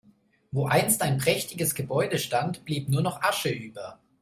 Wo einst ein prächtiges Gebäude stand, blieb nur noch Asche über.